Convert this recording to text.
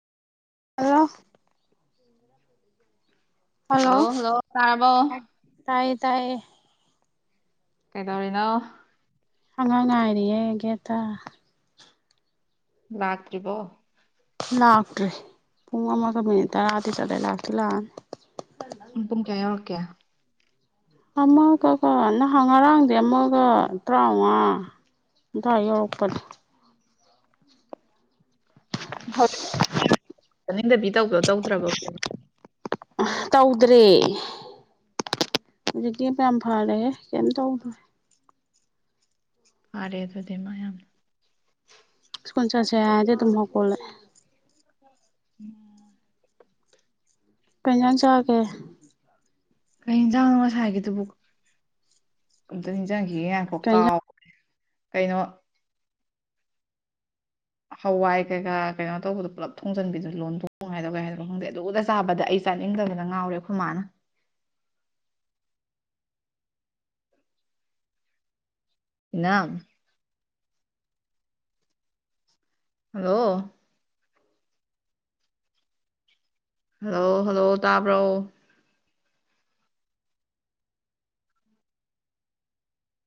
hello hello ꯇꯥꯏꯌꯦ ꯇꯥꯏꯌꯦ ꯀꯩꯗꯧꯔꯤꯅꯣ ꯑꯉꯥꯡ ꯉꯥꯏꯔꯤꯌꯦ ꯒꯦꯠꯇ ꯂꯥꯛꯇ꯭ꯔꯤꯕꯣ ꯂꯥꯛꯇꯔꯤ ꯄꯨꯡ ꯑꯃꯒ ꯃꯤꯅꯤꯠ ꯇꯥꯔꯗꯤ ꯆꯠꯂꯦ ꯂꯥꯛꯇꯤ ꯂꯥꯛꯑꯅꯤ ꯎꯝ ꯄꯨꯡ ꯀꯌꯥ ꯌꯧꯔꯛꯀꯦ ꯑꯃꯒꯀꯣ ꯅꯍꯥꯟ ꯉꯔꯥꯡꯗꯤ ꯑꯃꯒ ꯇꯔꯥꯝꯉꯥ ꯑꯗꯥꯏ ꯌꯧꯔꯛꯄꯗꯣ [unintelligible] ꯇꯧꯗ꯭ꯔꯦ ꯍꯧꯖꯤꯛꯇꯤ ꯌꯥꯝ ꯐꯥꯔꯦꯍꯦ ꯀꯌꯤꯝ ꯇꯧꯗꯔꯦ ꯐꯥꯔꯦ ꯑꯗꯨꯗꯤ ꯃꯥ ꯃꯌꯥꯝ ꯁꯀꯨꯟ ꯆꯠꯁꯦ ꯍꯥꯏꯔꯗꯤ ꯑꯗꯨꯝ ꯍꯧꯒꯠꯂꯛꯑꯦ ꯎꯝ ꯀꯩꯟꯖꯥꯡ ꯆꯥꯔꯒꯦ ꯀꯩ ꯏꯟꯖꯥꯡꯅꯣ ꯉꯁꯥꯏꯒꯤꯗꯨꯕꯨ ꯑꯝꯇ ꯅꯤꯡꯖꯤꯡꯉꯛꯈꯤꯒꯦ ꯉꯥꯏꯈꯣ ꯀꯩ ꯏꯟꯖꯥꯡ ꯀꯥꯎ ꯀꯩꯅꯣ ꯍꯋꯥꯏ ꯀꯩ ꯀꯥ ꯀꯩꯅꯣ ꯇꯧꯕꯗꯣ ꯄꯨꯂꯞ ꯊꯣꯡꯖꯟꯕꯤꯗꯨ ꯂꯣꯟꯊꯣꯡ ꯍꯥꯏꯗꯣꯏꯔ ꯀꯩ ꯍꯥꯏꯗꯣꯅꯣ ꯈꯪꯗꯩ ꯑꯗꯨ ꯆꯥꯕꯗ ꯑꯩ ꯆꯥꯅꯤꯡꯗꯕꯗ ꯉꯥꯎꯔꯦ ꯈꯣꯏ ꯃꯥꯅ ꯏꯅꯝ ꯍꯜꯂꯣ ꯍꯜꯂꯣ ꯍꯜꯂꯣ ꯇꯥꯕ꯭ꯔꯣ